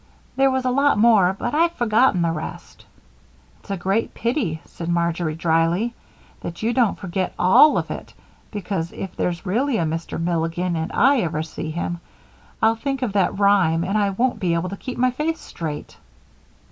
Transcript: There was a lot more, but I've forgotten the rest." "It's a great pity," said Marjory, drily, "that you didn't forget all of it, because if there's really a Mr. Milligan, and I ever see him, I'll think of that rhyme and I won't be able to keep my face straight."